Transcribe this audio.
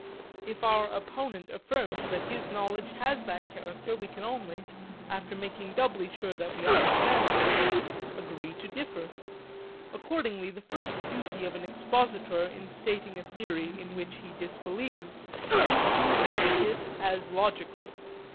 If our opponent affirms that his knowledge has that character, we can only after making doubly sure that we understand each other agree to differ. Accordingly the first duty of an expositor in stating a theory in which he disbelieves is to exhibit it as logical.